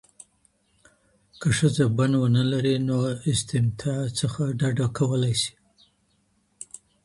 که ښځه بن ونلري نو له استمتاع څخه ډډه کولای سي؟